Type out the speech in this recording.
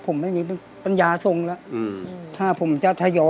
ผมไม่มีปัญญาทรงแล้ว